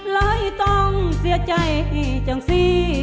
เลยต้องเสียใจจังสิ